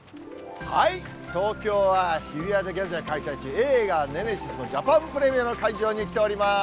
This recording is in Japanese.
東京は日比谷で現在、開催中、映画、ネメシスのジャパンプレミアの会場に来ております。